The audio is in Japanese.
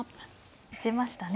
打ちましたね。